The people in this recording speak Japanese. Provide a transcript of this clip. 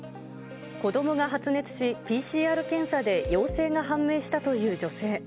子どもが発熱し、ＰＣＲ検査で陽性が判明したという女性。